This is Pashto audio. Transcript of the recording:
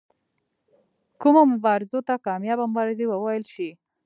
کومو مبارزو ته کامیابه مبارزې وویل شي.